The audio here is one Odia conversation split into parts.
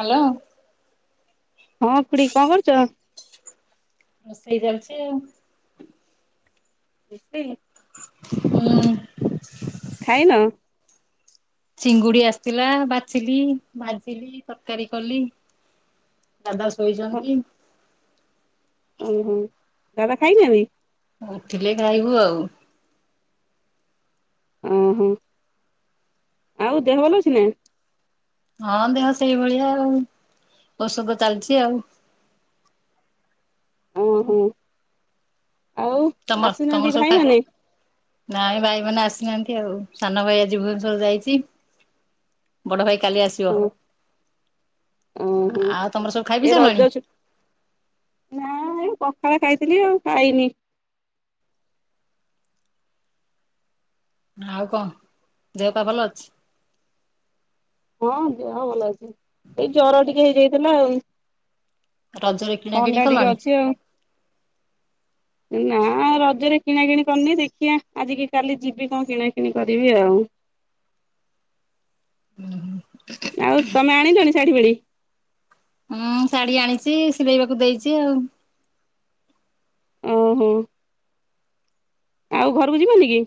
ହାଲୋ। ହଁ, ଖୁଡି କଣ କରୁଚ? ରୋଷେଇ ଚାଲିଚି ଆଉ। ବ। [unintelligible] ହୁଁ ଖାଇନ? ଚିଙ୍ଗୁଡି ଆସିଥିଲା। ବାଛିଲି, ଭାଜିଲି, ତରକାରୀ କଲି। ଦାଦା ଶୋଇଛନ୍ତି। ଓହୋ ଦାଦା ଖାଇନାହାନ୍ତି! ଉଠିଲେେ ଖାଇବୁ ଆଉ। ଓହୋ ଆଉ ଦେହ ଭଲ ଅଛି ନା! ହଁ ଦେହ ସେଇଭଳିଆ ଆଉ ଔଷଧ ଚାଲିଛି ଆଉ ଓହୋ ଆଉ ତମର ତମର ଆସିନାହାନ୍ତି ସବୁ ଖା ଭାଇମାନେ ନାଇଁ ଭାଇ ମାନେ ଆସିନାହାନ୍ତି ଆଉ ସାନ ଭାଇ ଆଜି ଭୁବନେଶ୍ୱର ଯାଇଛି। ବଡ ଭାଇ କାଲି ଆସିବ, ଓହୋ ଆଉ ତମର ସବୁ ଖାଇପିଇ ସାରିଲଣି? ନାଇଁ ପଖାଳ ଖାଇଥିଲି ଆଉ ଖାଇନି। ଆଉ କଣ ଦେହ ପାା ଭଲ ଅଛି? ହଁ ଦେହ ଭଲ ଅଛି ଏଇ ଜର ଟିକେ ହେଇଯାଇଥିଲା ଆଉ। ରଜରେ କିଣା କିିଣି ଥଣ୍ଡା ଟିକେ କଲଣି? ଅଛି ଆଉ। ନା ରଜରେ କିଣାକିଣି କରିନି ଦେଖିବା ଆଜିିକି କାଲି ଯିବି କଣ କିଣା କିିଣି କରିବି ଆଉ। ହୁଁ ହୁଁ। ଆଉ ତମେ ଆଣିଲଣି ଶାଢୀ ପାଢ଼ୀ? ହୁଁ ଶାଢୀ ଆଣିଛି ସିଲେଇବାକୁ ଦେଇଛି ଆଉ। ଓହୋ। ଆଉ ଘରକୁ ଯିବନି କି?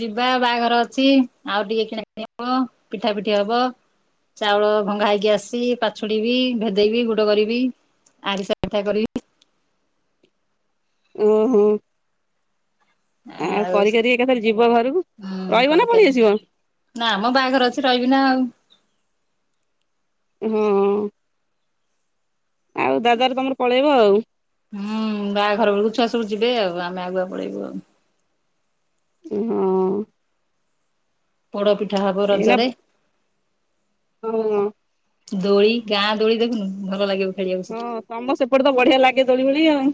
ଯିବା ବାହାଘର ଅଛି ଆଉ ଟିକେ କିଣା କିଣି ହବ ପିଠା ପିଠି ହବ। ଚାଉଳ ଭଙ୍ଗା ହେଇକି ଆସିଛି ପାଛୁଡିବି ଭେଦେଇବି ଗୁଡ କରିବି। ଆରିସା ପିଠା କରିବି। ଉଁ ହୁଁ। ଆଉ କରି କରିି ଏକାଥରେ ଯିବ ଘରକୁ ହୁଁ ରହିବ ନା ପଳେଇ କରିପାରିବି ଆସିବ! ନା ମ ବାହାଘର ଅଛି ରହିବି ନା ଆଉ। ହଁ। ଆଉ ଦାଦାର ତମର ପଳେଇବ ଆଉ। ହୁଁ ବାାହାଘର ବେଳକୁ ଛୁଆ ସବୁ ଯିବେ ଆଉ ଆମେ ଆଗୁଆ ପଳେଇବୁ ଆଉ। ହଁ। ପୋଡ ପିଠା ହବ ଏଇନା ରଜରେ। ହଁ। ଦୋଳି ଗାଁ ଦୋଳି ଦେଖୁନୁ ଭଲ ଲାଗିବ। ଖେଳିବାକୁ ହଁ ସେଠି ହୁଁ। ତମର ସେପଟେ ତ ବଢିଆ ଲାଗେ ଦୋଳି ଫୋଳି ଆଉ।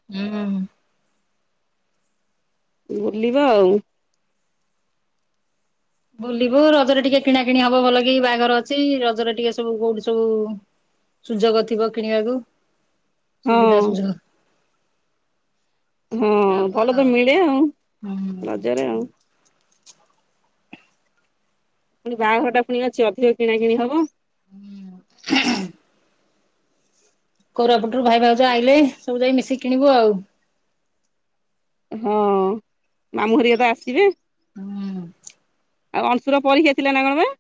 ବୁଲିବ ଆଉ। ବୁଲିବୁ ରଜରେ ଟିକେ କିଣା କିିଣି ହବ ଭଲ କି ବାହାଘର ଅଛି ରଜରେ ଟିକେ ସବୁ କୋଉଠି ସବୁ। ସୁଯୋଗ ଥିବ କିଣିବାକୁ ହଁ ସୁବିଧା ସୁଯୋଗ। ହଁ ଭଲ ତ ମିଳେ ଆଉ ହୁଁ ରଜରେ ଆଉ। ପୁଣି ବାହାଘରଟା ପୁଣି ଅଛି ଅଧିକ କିଣା କିଣି ହବ। ହୁଁ। କୋରାପଟରୁ ଭାଇ ଭାଉଜ ଆଇଲେ ସବୁ ଯାଇ ମିଶିକି କିଣିବୁ ଆଉ। ହଁ ମାମୁଁ ହରିକା ତ ଆସିବେ। ହୁଁ। ଆଉ ଅଂଶୁ ର ପରୀକ୍ଷା ଥିଲା ନା କଣପା।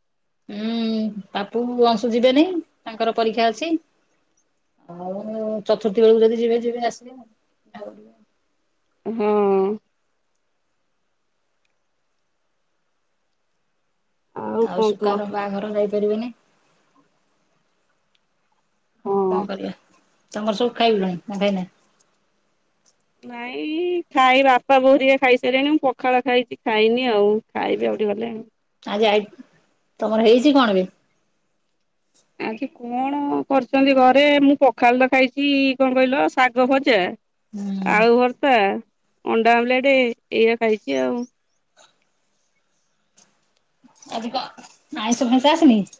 ହୁଁ ପାପୁ ଅଂଶୁ ଯିବେନି ତାଙ୍କର ପରୀକ୍ଷା ଅଛି। ଆଉ ଚତୁର୍ଥୀ ବେଳକୁ ଯଦି ଯିବେ ଯିବେ ଆସିବେ ଆ। ହଁ। ଆଉ କଣ କୁହ ସୁକା ର ବାହାଘର ଯାଇପାରିବେନି। ହଁ କଣ କରିବା ତିଙ୍କର ସବୁ ଖାଇବେଣି ନା ଖାଇନାଁଇଁ? ନାଇଁ-ଇ ଖାଇ ବାପା ବୋଉ ହରିକା ଖାଇସାଇଲେଣି ମୁଁ ପଖାଳ ଖାଇଛି ଖାଇନି ଆଉ ଖାଇବି ଆଉ ଟିକେ ଗଲେ ଆଉ। ଆଜି ଆଇ ତମର ହେଇଛି କଣ ବେ? ଆଜି କଣ କରିଛନ୍ତି ଘରେ ମୁଁ ପଖାଳ ତ ଖାଇଚି-ଇ କଁ କଇଲ ଶାଗ ଭଜା ହୁଁ ଆଳୁ ଭର୍ତା, ଅଣ୍ଡା ଆମ୍ୱଲେଟ ଏଇଆ ଖାଇଚି ଆଉ। ଆଜି କଁ ଆଇଁଷ ଫାଇଁଶ ଆସନିକି?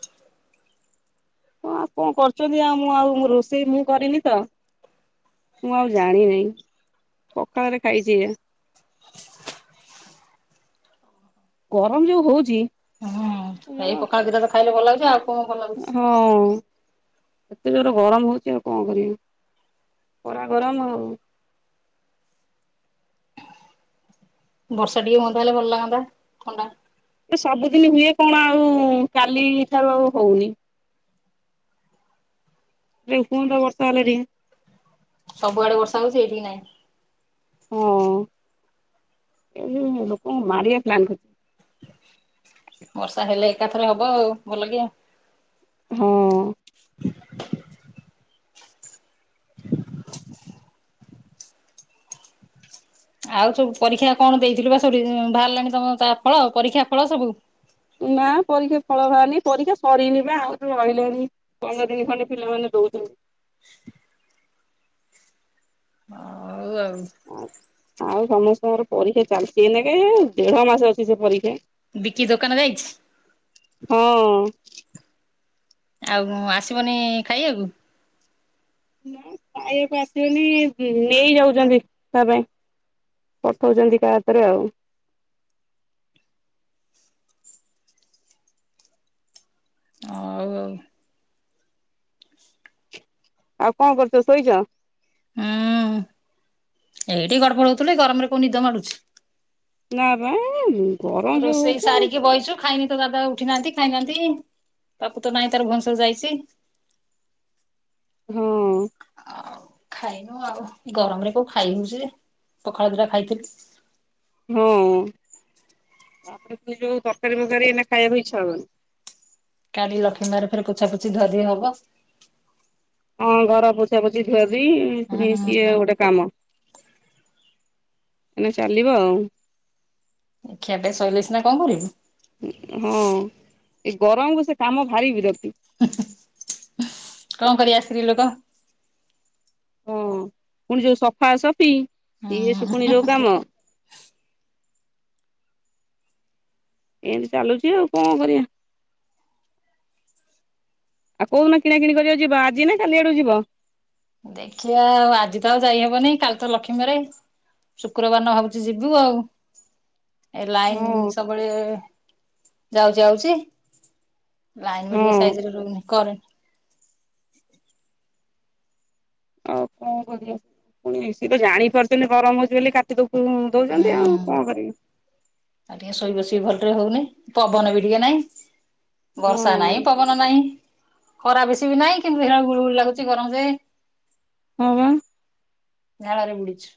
ହଁ ଆଉ କଁ କରୁଚନ୍ତି ଆଉ ମୁଁ ଆଉ ରୋଷେଇ ମୁଁ କରିନି ତ ମୁଁ ଆଉ ଜାଣିନେଇଁ ପଖାଳରେ ଖାଇଚି ଏଇଆ। ଗରମ ଯୋଉ ହଉଚି। ହଁ ଏଇ ପଖାଳ ଦିଟା ତ ଖାଇଲେ ଭଲ ଲାଗୁଛି ଆଉ କଁ ଭଲ ଲାଗୁଛି? ହଁ ଏତେ ଜୋର ଗରମ ହଉଚି ଆଉ କଁ କରିବି? ଖରା ଗରମ ଆଉ। ବର୍ଷା ଟିକେ ହୁଅନ୍ତା ହେଲେ ଭଲ ଲାଗନ୍ତା ଥଣ୍ଡା ଏ ସବୁଦିନ ହୁଏ କଣ ଆଉ-ଉ କାଲି ଠାରୁ ଆଉ ହୋଉନି। ରେ କୁଅନ୍ତ ବର୍ଷା ହେଲେ ଟିକେ। ସବୁଆଡେ ବର୍ଷା ହୋଉଛି ଏଇଠିକି ନାଇଁ। ଓ ଏଇ ଲୋକଙ୍କୁ ମାରିଆ ପ୍ଲାନ୍ କରି ବର୍ଷା ହେଲେ ଏକାଥରେ ହବ ଆଉ ଭଲ କିଆ। ହଁ। ଆଉ ସବୁ ପରୀକ୍ଷା କଣ ଦେଇଥିଲୁ ବା ସବୁ ରି-ଇଁ ଭାଆରିଲାଣି ତମ ତା ଫଳ ପରୀକ୍ଷା ଫଳ ସବୁ? ନା ପରୀକ୍ଷା ଫଳ ଭାର୍ନି ପରୀକ୍ଷା ସରିନି ବା ଆଉରି ରହିଲେଣିି ପନ୍ଦର ଦିନି ଖଣ୍ଡେ ପିଲାମାନେ ଦୋଉଛନ୍ତି। ଓ-ଓଉ ଆଉ। ଆଉ ଆଉ ସମସ୍ତଙ୍କର ପରୀକ୍ଷା ଚାଲିଛି ଏଇନାକେ-ଏ ଦେଢ ମାସେ ଅଛି ସେ ପରୀକ୍ଷା। ବିକି ଦୋକାନ ଯାଇଛି? ହଁ। ଆଉ ଆସିବନି-ଇ ଖାଇଆକୁ? ଖାଇଆକୁ ଆସିବେନି ମ୍ ନେଇ ଯାଉଚନ୍ତି ତା ପାଇଁ। ପଠଉଚନ୍ତି କା ହାତରେ ଆଉ। ଅଉ ଓଉ। ଆଉ କଁ କରୁଚ ଶୋଇଚ? ଉଁ ଏଇଠି ଗଡ଼ପଡ଼ ହୋଉଥିଲି ଗରମରେ କୋଉ ନିଦ ମାଡୁଛି। ନା ପା ଉଁ ରୋଷେଇ ସାରିକି ବଇଚୁ। ଖାଇନି ତ ଦାଦା ଉଠି ନାହାନ୍ତି ଖାଇନାହାନ୍ତି ତପୁ ତ ନାଇଁ ତାର ଭୋନଶ୍ୱର ଯାଇଚି। ହଁ। ଆଉ ଖାଇନୁ ଆଉ ଗରମରେ କୋଉ ଖାଇ ହୋଉଚି ଯେ ପଖାଳ ଦିଟା ଖାଇଥିଲି। ହଁ-ଅ ତାପରେ ତ ଯୋଉ ତର୍କାରୀ ଫକାରୀ ଏଇନା ଖାଇବାକୁ ଇଛା ହବନି। କାଲି ଲକ୍ଷ୍ମୀ ବାର ଫେରେ ପୁଛାପୁଛି ଧୁଆ ଧୁଇ ହବ। ହଁ ଘର ପୋଛା ପୋଛିି ଧୁଆ ଧୁଇ ପୁଣି ସିଏ ହୁଁ ଗୋଟେ କାମ। ଆନେ ଚାଲିବ ଆଉ। ଖିଆ ପିଆ ସଇଲେ ସିନା କଁ କରିବୁ। ହଁ ଏ ଗରମକୁ ସେ କାମ ଭାରି ବିରକ୍ତି। ହେଁ ହେଁ କଁ କରିବା ସ୍ତ୍ରୀ ଲୋକ ହଁ ପୁଣି ଯୋଉ ସଫା ସଫି ଇଏ ଶୁଖୁଣି ହୁଁ ଯୋଉ କାମ ଏମତି ଚାଲୁଛି ଆଉ କଣ କରିବା। ଆଉ କଉନ କିଣା କିଣି କରିବାକୁ ଯିବା ଆଜି ନା କାଲି ଆଡକୁ ଯିବ। ଦେଖିବା ଆଉ ଆଜି ତ ଆଉ ଯାଇହବନି କାଲି ତ ଲକ୍ଷ୍ମୀବାରେ। ଶୁକ୍ରବାର ଦିନ ଭାବୁଛି ଯିବୁ ଆଉ। ଏ ହଁ ଲାଇନ ସବୁବେଳେ ଯାଉଚି ଆାଉଚି। ହଁ। [unintelligible] ଆଉ କଣ କରିବା। ପୁଣି ସିଏ ତ ଜାଣିପାରୁଛନ୍ତି ଗରମ ହଉଛି ବୋଲି କାଟି ଦ ହୁଁ ଦଉଛନ୍ତି ଆଉ କଣ କରିବି। ଆଉ ଟିକେ ଶୋଇ ବସି ଭଲରେ ହଉନି ପବନ ବି ଟିକେ ନାଇଁ। ହଁ ବର୍ଷା ନାଇ, ପବନ ନାଇ, ଖରା ବେଶୀ ବି ନାଇ କିନ୍ତୁ ଦେଖିଲାଳୁ ଗୁଳୁ ଗୁଳି ଲାଗୁଚି ଗରମ ଯେ ହଁ ବା ଝଳରେ ବୁଡିଛୁ।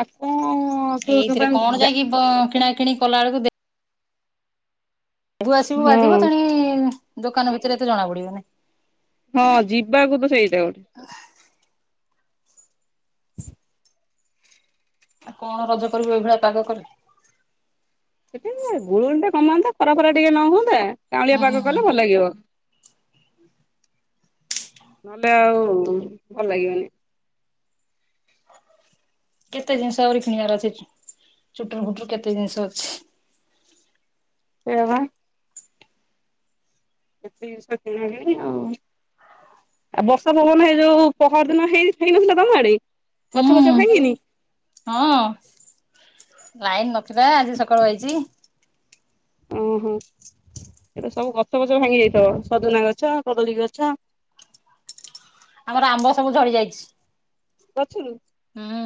ଆଉ କଣ ଏଇଥିରେ ସେ କଣ ଗା ଯାଇକି ବ କିଣା କିଣି କଲା ବେଳକୁ ଦେ ବୁ ଆସିବୁ ବାଧିବ ହଁ ତେଣି ଦୋକାନ ଭିତରେ ଏତେ ଜଣା ପଡିବନାଇ। ହଁ ଯିବାକୁ ତ ସେଇଟା ଗୋ କଣ ରଜ କରିବୁ ଏଇଭଳିଆ ପାଗ କଲେ। [inaudible] ସେ ଗୁଳୁଗୁଳି ଟା କମାନ୍ତା ଖରା ଫରା ଟିକେ ନ ହୁଅନ୍ତା କାଉଁଳିଆ ହୁଁ ପାାଗ କଲେ ଭଲ ଲାଗିବ। ନହେଲେ ଆଉ ଭଲ ଲାଗିବନି। କେତେ ଜିନିଷ ଆହୁରି କିଣିବାର ଅଛି ଚୁଟରୁ ଫୁଟରୁ କେତେ ଜିନିଷ ଅଛି। ସେୟାବା। [inaudible] ଆ ବର୍ଷା ପବନ ହେଇ ଯୋଉ ପହର ଦିନ ହେଇ ହେଇନଥିଲା ତମ ଆଡେ ଗଛ ଫଛ ହୁଁ ଭାଙ୍ଗିନି। ହଁ! ଲାଇନ ନଥିଲା ଆଜି ସକାଳୁ ଆଇଚି। ଓହୋ! ଏତ ସବୁ ଗଛ ଫଛ ଭାଙ୍ଗି ଯାଇଥିବ ସଜନା ଗଛ, କଦଳୀ ଗଛ ଆମର ଆମ୍ବ ସବୁ ଝଡି ଯାଇଛି। ଗଛୁରୁ ହୁଁ।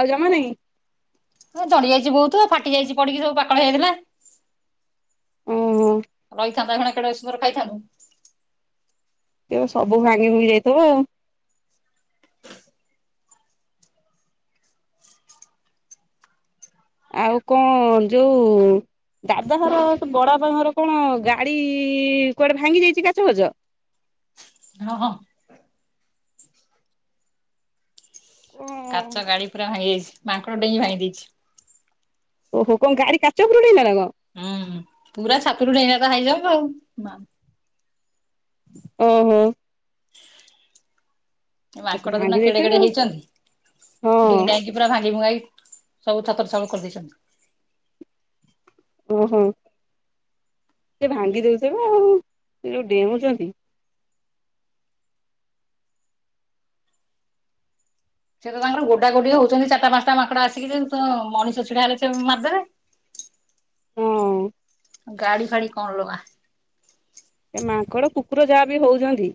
ଆଉ ଜମା ନାହିଁ। ହଁ ଚଡି ଯାଇ ବୋଉତୁ ଫାଟି ଯାଇଚି ପଡିକି ସବୁ ପାକଳ ହେଇଯାଇଥିଲା। ଓହୋ! ରହିଥାନ୍ତା ଏଇକ୍ଷୀଣା କେଡେ ସୁନ୍ଦର ଖାଇଥାନ୍ତୁ। ଏବେ ସବୁ ଭାଙ୍ଗି ଭୁଙ୍ଗି ଯାଇଥବ ଆଉ। ଆଉ କଣ ଯୋଉ। ଦାଦାଘର ତ ବଡବାପା ଘର କଣ ଗାଡି କୁଆଡେ ଭାଙ୍ଗି ଯାଇଚି କାଚ ଫାଚ। ହଁ ହଁ କାଚ ଗାଡି ପୁରା ଭାଙ୍ଗିଯାଇଚି ମାଙ୍କଡ଼ ଡେଇଁଙ୍ଗି ଭାଙ୍ଗି ଦେଇଚି। ଓହୋ! କଣ ଗାଡି କାଚ ଉପରୁ ଡେଇଁଲା ନା କଣ? ହୁଁ! ପୁରା ଛାତରୁ ଡେଇଁଲା ପା ହାଇ ଜମ୍ପ ଆଉ। ହୁଁ ହୁଁ ଆ ସେ ମାଙ୍କଡ ଦେଖୁନା ଭାଙ୍ଗି କେଡେ ଦେଇଥିବେ କେଡେ ଆଉ ହେଇଚନ୍ତି ଡେଇଁ ହଁ ଡାଇଁ କି ପୁରା ଭାଙ୍ଗି ଭୁଙ୍ଗାଇ ସବୁ ଛତର ଛାଉଳ କରିଦେଇଛନ୍ତି। ଓହୋ ସେ ଭାଙ୍ଗି ଦେଉଥିବ ଆଉ ସେ ଯୋଉ ଡେଉଚନ୍ତି। ସେ ତ ତାଙ୍କର ଗୋଡା ଗୋଡି ହଉଚନ୍ତି ଚାରଟା ପାସଣ୍ଟା ମାଙ୍କଡ ଆସିକି ଯେ ତ ମଣିଷ ଛିଡା ହେଲେ ସେ ମାର ଦେବେ। ହଁ ଗାଡି ଫାଡି କଣ ଲୋ ମା। ଏ ମାଙ୍କଡ଼ କୁକୁର ଯାହା ବିି ହଉଜନ୍ତି।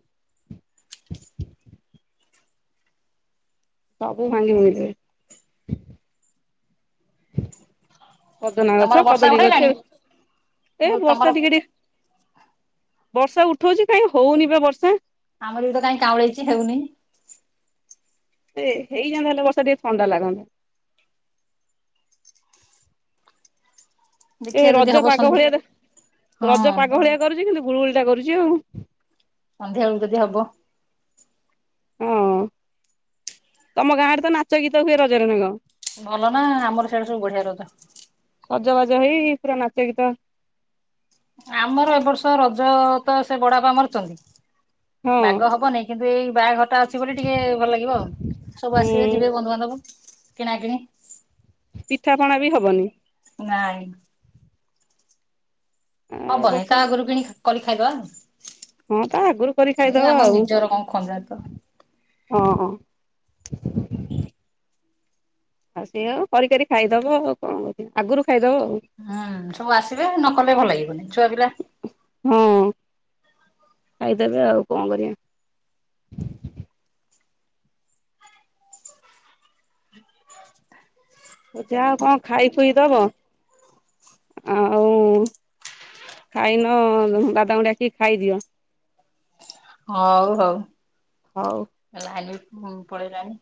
ସବୁ ଭାଙ୍ଗି ଭୁଙ୍ଗୀ ଦେବେ‌। ସଜନା ତମର ଗଛ ବର୍ଷା କଦଳୀ ଗଛ ଉଠେଇଲାଣି? ଏ ଏ ମୁଁ କହିଲି ତମର ବର୍ଷା ଟିକେ ଟିକେ। ବର୍ଷା ଉଠଉଛି କାଇଁ ହଉନି ବା ବର୍ଷା। ଆମର ବି ତ କାଇଁ କାଉଁଳେଇଚି ହେଉନି। ଟିକେ ହେଇଯାଆନ୍ତା ହେଲେ ବର୍ଷ ଟିକେ ଥଣ୍ଡା ଲାଗନ୍ତା। ଯୋଉ ଦେଖିବା ଯଦି ରଜ ହବ ପାଗ ସନ୍ଧ୍ୟା ଭଳିଆ ଦେ ହଁ ରଜ ପାଗ ଭଳିଆ କରୁଚି କିନ୍ତୁ ଗୁଳୁଗୁଳିଟା କରୁଚି ଆଉ। ସନ୍ଧ୍ୟା ବେଳକୁ ଯଦି ହବ। ହଁ ତମ ଗାଁ ଆଡେ ତ ନାଚ ଗୀତ ହୁଏ ରଜରେ ନା କଁ। ଭଲ ନା ଆମର ସିଆଡେ ସବୁ ବଢିଆ ରଜ। ସଜବାଜ ହେଇି ପୁରା ନାଚ ଗୀତ। ଆମର ଏ ବର୍ଷ ରଜ ତ ସେ ବଡା ବାପା ମରିଚନ୍ତି ହଁ ବାଗ ହବ ନେଇ। କିନ୍ତୁ ଏଇ ବାହା ଘରଟା ଅଛି ବୋଲି ଟିକେ ଭଲ ଲାଗିବ ଆଉ ସବୁ ଆସିବେ ଉଁ ଯିବେ ବନ୍ଧୁ ବାନ୍ଧବ। କିଣା କିଣି। ପିଠାପଣା ବି ହବନି? ନାଇଁ। ଏ ହବନି ବର୍ଷ ତା ଆଗରୁ କିଣି କରି ଖାଇ ଦବା ଆଉ। ହଁ ତା ଆଗରୁ କରି ଏ ଖାଇଦବା ଆମ ଆଉ। ନିଜର କଣ ଖଞ୍ଜା ତ ହଁ। ଆଉ ସେଇଆ ଆଉ କରି କାରି ଖାଇଦବ ଆଉ କଁ କରିବ ଆଗରୁ ଖାଇଦବ ଆଉ। ହୁଁ ସବୁ ଆସିବେ ନ କଲେ ଭଲ ଲାଗିବନି ଛୁଆ ପିଲା। ହଁ ଖାଇ ଦେବେ ଆଉ କଁ କରିବା। ହେ ଯା କଁ ଖାଇ ଖୁଇ ଦବ। ଆଉ ଖାଇନ ଦାଦାଙ୍କୁ ଡାକି ଖାଇଦିଅ। ହଉ ହଉ। ହଉ। ଏ ଲାଇନି ପୁ ପଳେଇଲାଣିି।